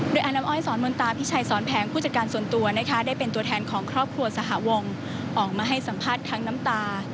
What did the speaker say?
โดยอาน้ำอ้อยสอนมนตาพิชัยสอนแพงผู้จัดการส่วนตัวนะคะได้เป็นตัวแทนของครอบครัวสหวงออกมาให้สัมภาษณ์ทั้งน้ำตา